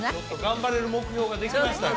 頑張れる目標ができました